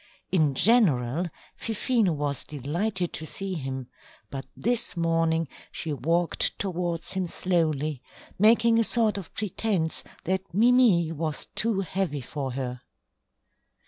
In general Fifine was delighted to see him, but this morning she walked towards him slowly, making a sort of pretence that Mimi was too heavy for her.